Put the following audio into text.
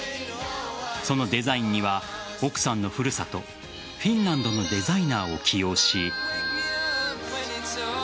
そのデザインには奥さんの古里フィンランドのデザイナーを起用し。